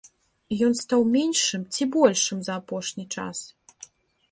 Ён стаў меншым ці большым за апошні час?